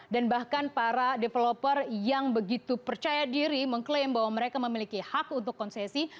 dan bahkan para developer yang begitu percaya diri mengklaim bahwa mereka memiliki hak untuk konsesi